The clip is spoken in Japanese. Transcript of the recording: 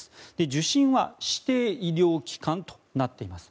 受診は指定医療機関となっています。